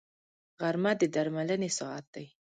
غرمه د درملنې ساعت دی